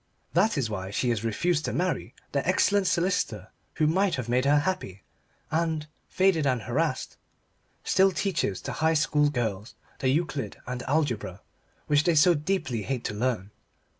That is why she has refused to marry the excellent solicitor who might have made her happy, and, faded and harassed, still teaches to High School girls the Euclid and Algebra which they so deeply hate to learn.